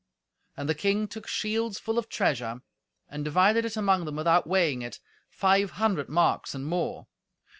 And the king took shields full of treasure, and divided it among them without weighing it, five hundred marks and more.